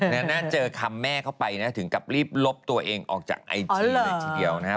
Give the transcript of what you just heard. น่าเจอคำแม่เข้าไปนะถึงกับรีบลบตัวเองออกจากไอจีเลยทีเดียวนะครับ